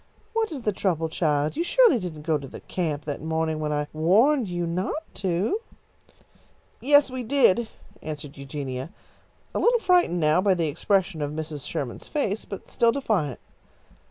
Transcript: "What is the trouble, child? You surely didn't go to the camp that morning when I warned you not to?" "Yes, we did," answered Eugenia, a little frightened now by the expression of Mrs. Sherman's face, but still defiant.